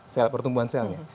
sel pertumbuhan selnya